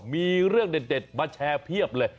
มีเรื่องเด็ดมาแชร์เพียบเลย